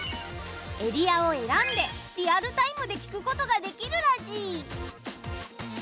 エリアを選んでリアルタイムで聴くことができるラジ！